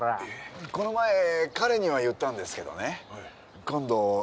この前彼には言ったんですけどね今度この大根